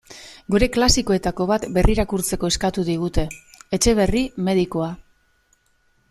Gure klasikoetako bat berrirakurtzeko eskatu digute: Etxeberri medikua.